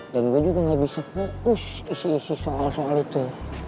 dan gue juga gak bisa fokus isi isi soal soal itu